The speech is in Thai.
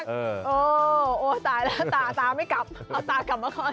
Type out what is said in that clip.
เออตายแล้วตาไม่กลับตากลับมาก่อน